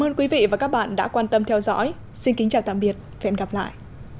ơn quý vị và các bạn đã quan tâm theo dõi xin kính chào tạm biệt và hẹn gặp lại